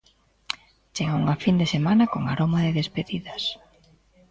Chega unha fin de semana con aroma de despedidas.